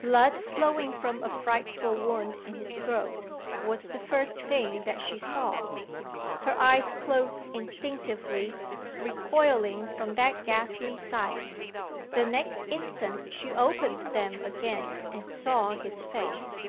Blood flowing from a frightful wound in his throat, was the first thing that she saw. Her eyes closed instinctively, recoiling from that ghastly sight. The next instant she opened them again, and saw his face.